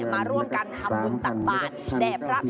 มาร่วมกันทำบุญดังบาท